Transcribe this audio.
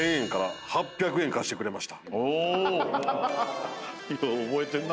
よう覚えてんな。